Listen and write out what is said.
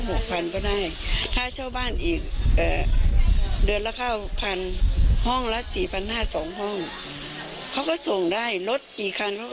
มันพอมันเจอโควิดแล้วมีฝังหากัน